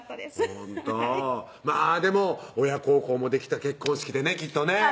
ほんとでも親孝行もできた結婚式でねきっとね